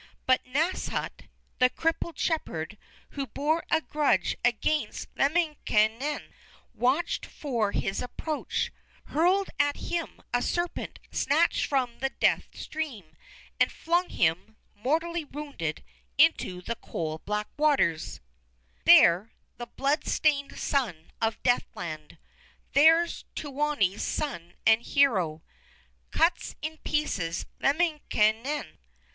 But Nasshut, the crippled shepherd, who bore a grudge against Lemminkainen, watched for his approach, hurled at him a serpent snatched from the death stream, and flung him, mortally wounded, into the 'coal black waters': "'There the blood stained son of death land There Tuoni's son and hero Cuts in pieces Lemminkainen.'